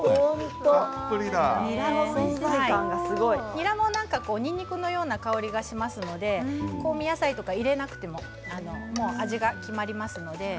ニラもにんにくのような香りがしますので香味野菜とか入れなくても味が決まりますので。